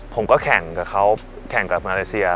ผมก็แข่งกับเขาแข่งกับมาเลเซีย